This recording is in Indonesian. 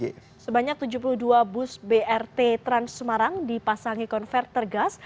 sebanyak tujuh puluh dua bus brt trans semarang dipasangi konverter gas